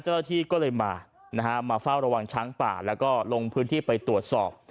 เจ้าหน้าที่ก็เลยมานะฮะมาเฝ้าระวังช้างป่าแล้วก็ลงพื้นที่ไปตรวจสอบ